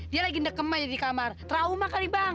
dia lagi nekema aja di kamar trauma kali bang